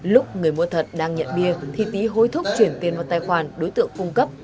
lúc người mua thật đang nhận bia thì tý hối thúc chuyển tiền vào tài khoản đối tượng cung cấp